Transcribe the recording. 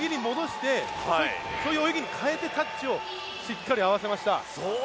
そういう泳ぎに変えてタッチをしっかり合わせました。